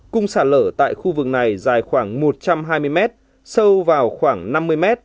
cung sạt lở tại khu vực này dài khoảng một trăm hai mươi m sâu vào khoảng năm mươi m